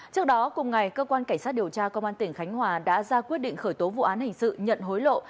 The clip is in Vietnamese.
trước đó cùng ngày cơ quan cảnh sát điều tra công an tỉnh khánh hòa đã ra quyết định khởi tố vụ án hình sự nhận hối lộ